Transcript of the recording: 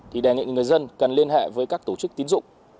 thì đề nghị người dân cần liên hệ với các tổ chức tín dụng